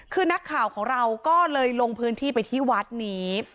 คือนักข่าวของเราก็เลยลงพื้นที่ไปที่วัดนี้